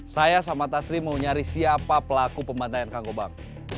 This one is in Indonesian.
saya sama tasli mau nyari siapa pelaku pembandaian kang gobang